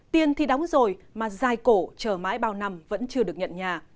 tiền thì đóng rồi mà dài cổ chờ mãi bao năm vẫn chưa được nhận nhà